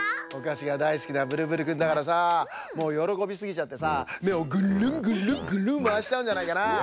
おかしがだいすきなブルブルくんだからさもうよろこびすぎちゃってさめをグルングルングルンまわしちゃうんじゃないかな。